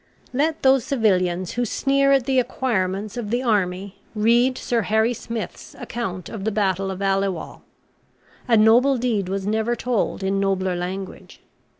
Let those civilians who sneer at the acquirements of the army read Sir Harry Smith's account of the Battle of Aliwal. A noble deed was never told in nobler language.